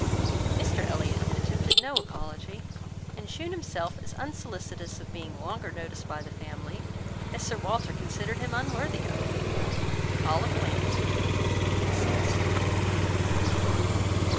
Mr Elliot had attempted no apology, and shewn himself as unsolicitous of being longer noticed by the family, as Sir Walter considered him unworthy of it: all acquaintance between them had ceased.